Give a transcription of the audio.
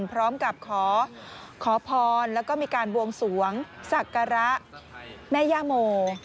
พร้อมกับขอพรแล้วก็มีการบวงสวงศักระแม่ย่าโม